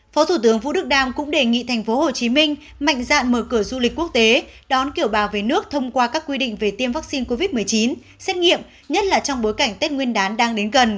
phó thủ tướng vũ đức đam cũng đề nghị tp hcm mạnh dạn mở cửa du lịch quốc tế đón kiểu bào về nước thông qua các quy định về tiêm vaccine covid một mươi chín xét nghiệm nhất là trong bối cảnh tết nguyên đán đang đến gần